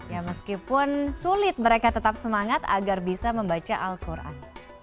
ya meskipun sulit mereka tetap semangat agar bisa membaca al quran